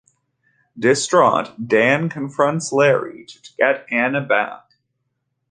Distraught, Dan confronts Larry to try to get Anna back.